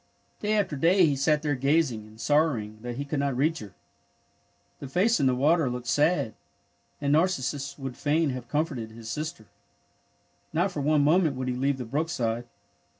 Day after day he sat there gazing, and sor rowing that he could not reach her. The face in the water looked sad, and Narcissus would fain have comforted his sister. Not for one moment would he leave the brook side.